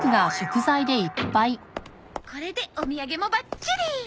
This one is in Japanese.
これでお土産もバッチリ！